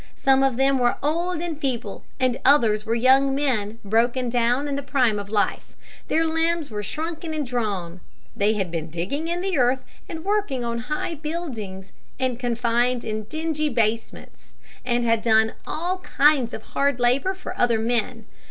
Some of them were old and feeble, and others were young men, broken down in the prime of life. Their limbs were shrunken and drawn. They had been digging in the earth, and working on high buildings, and confined in dingy basements, and had done all kinds of hard labor for other men.